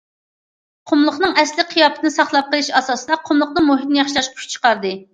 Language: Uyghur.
قۇملۇقنىڭ ئەسلى قىياپىتىنى ساقلاپ قېلىش ئاساسىدا، قۇملۇقنىڭ مۇھىتىنى ياخشىلاشقا كۈچ چىقاردى.